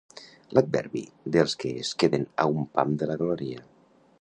L'adverbi dels que es queden a un pam de la glòria.